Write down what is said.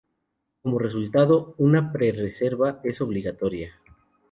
Como resultado, una pre-reserva es obligatoria.